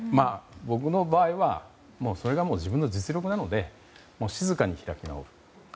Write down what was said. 僕の場合は、それがもう自分の実力なので静かに開き直る。